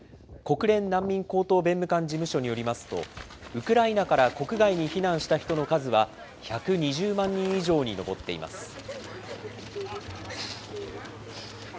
国連難民高等弁務官事務所によりますと、ウクライナから国外に避難した人の数は、１２０万人以上に上っています。